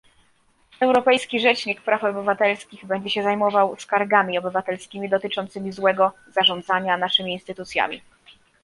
Europejski rzecznik praw obywatelskich będzie się zajmował skargami obywatelskimi dotyczącymi złego zarządzania naszymi instytucjami